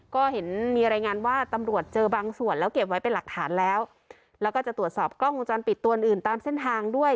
ก็เห็นมีรายงานว่าตำรวจเจอบางส่วนแล้วเก็บไว้เป็นหลักฐานแล้วแล้วก็จะตรวจสอบกล้องวงจรปิดตัวอื่นตามเส้นทางด้วย